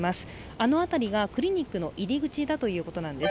あの辺りがクリニックの入り口だということなんです。